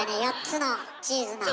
４つのチーズの。